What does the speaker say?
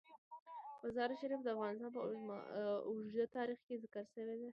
مزارشریف د افغانستان په اوږده تاریخ کې ذکر شوی دی.